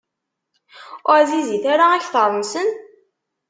Ur ɛzizit ara akteṛ-nsen?